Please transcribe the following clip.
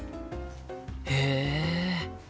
へえ！